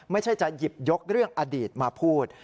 ไม่ใช่จะหยิบยกเรื่องอดีตมาพูด